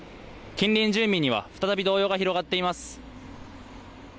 近隣住民には再び動揺が広がっています。